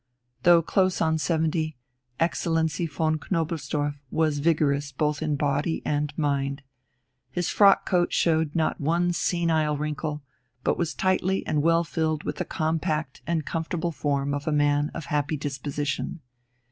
Though close on seventy, Excellency von Knobelsdorff was vigorous both in body and mind. His frock coat showed not one senile wrinkle, but was tightly and well filled with the compact and comfortable form of a man of happy disposition.